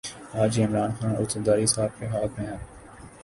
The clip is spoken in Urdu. آج یہ عمران خان اور زرداری صاحب کے ہاتھ میں ہے۔